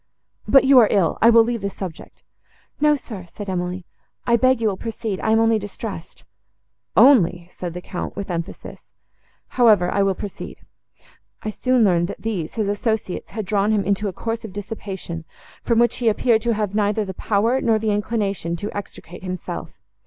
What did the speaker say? But you are ill; I will leave the subject."—"No, sir," said Emily, "I beg you will proceed: I am only distressed."—"Only!" said the Count, with emphasis; "however, I will proceed. I soon learned, that these, his associates, had drawn him into a course of dissipation, from which he appeared to have neither the power, nor the inclination, to extricate himself.